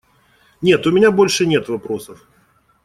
Нет, у меня больше нет вопросов.